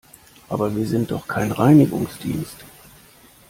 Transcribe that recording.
Aber wir sind doch kein Reinigungsdienst!